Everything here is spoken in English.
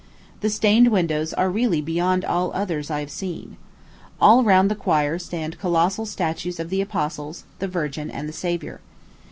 The stained windows are really beyond all others I have seen. All round the choir stand colossal statues of the Apostles, the Virgin, and the Savior.